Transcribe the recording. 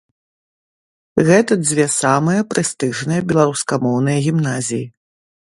Гэта дзве самыя прэстыжныя беларускамоўныя гімназіі.